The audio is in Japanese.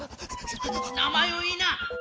名前を言いな！